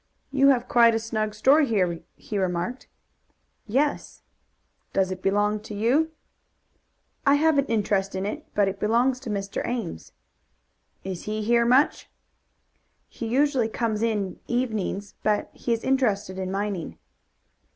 "You have quite a snug store here," he remarked. "Yes." "Does it belong to you?" "I have an interest in it, but it belongs to Mr. Ames." "Is he here much?" "He usually comes in evenings, but he is interested in mining."